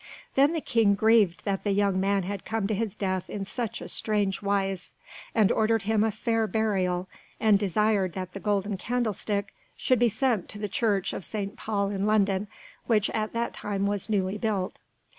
Then the King grieved that the young man had come to his death in such strange wise, and ordered him a fair burial, and desired that the golden candlestick should be sent to the Church of Saint Paul in London, which at that time was newly built.